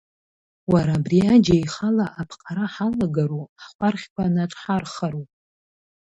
Уара, абри аџь еихала аԥҟара ҳалагару, ҳхәархьқәа наҿҳархару?